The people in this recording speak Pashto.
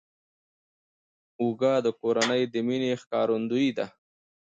اوړه د کورنۍ د مینې ښکارندویي ده